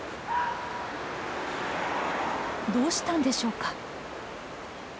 ・どうしたんでしょうか。